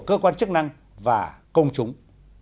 cơ quan chức năng và công chúng